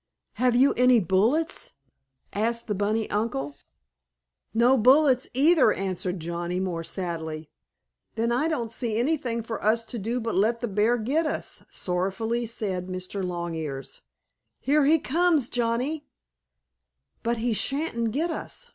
"Have you any bullets?" asked the bunny uncle. "No bullets, either," answered Johnnie, more sadly. "Then I don't see anything for us to do but let the bear get us," sorrowfully said Mr. Longears. "Here he comes, Johnnie." "But he sha'n't get us!"